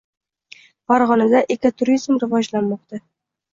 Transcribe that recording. Farg‘onada ekoturizm rivojlanmoqda